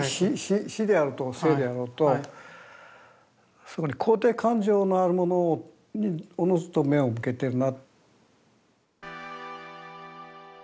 死であろうと生であろうとそこに肯定感情のあるものにおのずと目を向けてるな。